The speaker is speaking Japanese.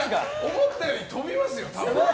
思ったより飛びますよ！